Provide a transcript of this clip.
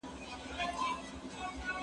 زه پرون د لوبو لپاره وخت نيولی،